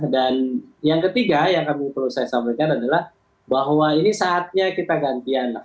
dan yang ketiga yang perlu saya sampaikan adalah bahwa ini saatnya kita gantian